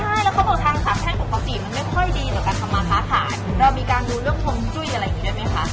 ใช่แล้วเขาบอกทางสามแพร่งปกติมันไม่ค่อยดีต่อการทำมาค้าขายเรามีการดูเรื่องฮวงจุ้ยอะไรอย่างนี้ได้ไหมคะ